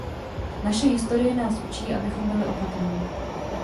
Naše historie nás učí, abychom byli opatrní.